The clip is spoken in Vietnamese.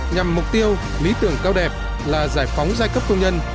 nhằm mục tiêu lý tưởng cao đẹp là giải phóng giai cấp công nhân